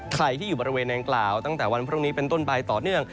ใครที่อยู่บริเวณนางกล่าวตั้งแต่วันพรุ่งนี้เป็นต้นไปต่อเนื่อง